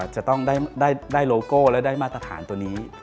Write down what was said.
จะต้องได้โลโก้และได้มาตรฐานตัวนี้